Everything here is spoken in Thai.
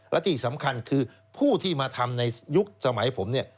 และที่สำคัญคือผู้ที่มาทำในยุคสมัยผมเนี่ย